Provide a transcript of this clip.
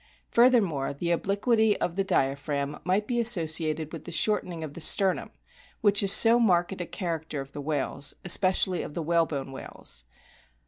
Furthermore, the obliquity of the diaphragm might be associated with the shortening of the sternum, which is so marked a character of the whales, especially of the whalebone whales.